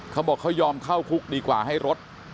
เขาบอกเขายอมเข้าคุกดีกว่าให้รถ